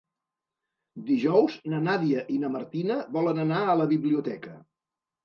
Dijous na Nàdia i na Martina volen anar a la biblioteca.